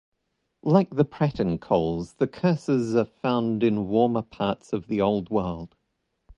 Like the pratincoles, the coursers are found in warmer parts of the Old World.